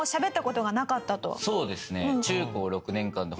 そうですね。